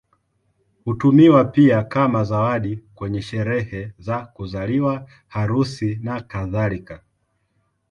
Hutumiwa pia kama zawadi kwenye sherehe za kuzaliwa, harusi, nakadhalika.